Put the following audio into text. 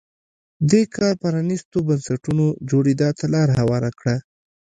دې کار پرانیستو بنسټونو جوړېدا ته لار هواره کړه.